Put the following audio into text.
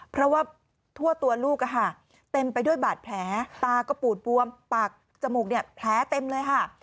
เพราะว่าทั่วตัวลูกเต็มไปด้วยบาดแผลตาก็ปูดบวมปากจมูกแผลเต็มเลยค่ะ